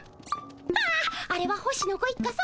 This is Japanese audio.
あああれは星野ご一家さま。